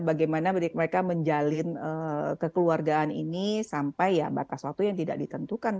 bagaimana mereka menjalin kekeluargaan ini sampai ya batas waktu yang tidak ditentukan